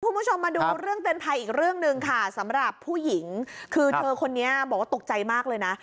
คุณผู้ชมมาดูเรื่องเตือนภัยอีกเรื่องหนึ่งค่ะสำหรับผู้หญิงคือเธอคนนี้บอกว่าตกใจมากเลยนะ